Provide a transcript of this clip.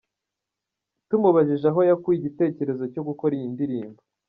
Tumubajije aho yakuye igitekerezo cyo gukora iyi ndirimbo,.